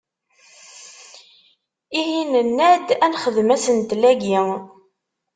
Ihi nenna-d, ad nexdem asentel-agi.